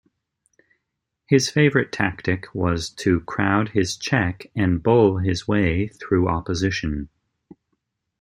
His favourite tactic was to crowd his check and bull his way through opposition.